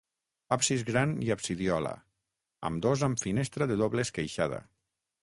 Absis gran i absidiola, ambdós amb finestra de doble esqueixada.